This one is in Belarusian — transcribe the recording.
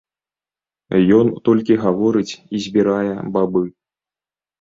Ён толькі гаворыць і збірае бабы.